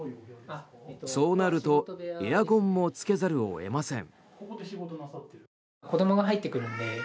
そうなるとエアコンもつけざるを得ません。